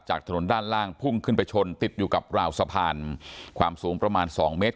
ถนนด้านล่างพุ่งขึ้นไปชนติดอยู่กับราวสะพานความสูงประมาณสองเมตร